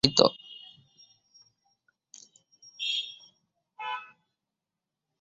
সড়ক বিভাজকে যেসব গাছ লাগানো আছে, রক্ষণাবেক্ষণের অভাবে অনেকগুলোই মৃত।